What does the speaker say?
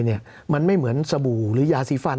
สำหรับกำลังการผลิตหน้ากากอนามัย